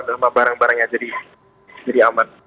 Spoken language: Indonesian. sama barang barangnya jadi aman